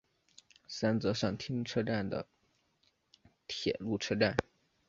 三泽上町车站的铁路车站。